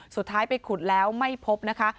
สุดท้ายไปขุดแล้วไม่พบนะคะ